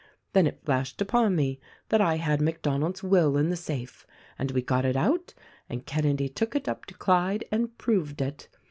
Then it flashed upon me that I had Mac Donald's will in the safe, and we got it out and Kenedy took it up to Clyde and proved it.